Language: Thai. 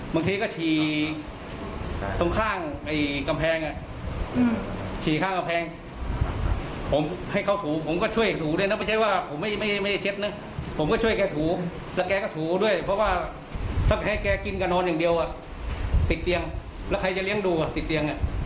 บางทีก็ฉี่ตรงข้างกำแพงฉี่ข้างกำแพงผมให้เขาถูผมก็ช่วยถูด้วยนะไม่ใช่ว่าผมไม่ได้เช็ดนะผมก็ช่วยแกถูแล้วแกก็ถูด้วยเพราะว่าถ้าแพ้แกกินแกนอนอย่างเดียวติดเตียงแล้วใครจะเลี้ยงดูติดเตียง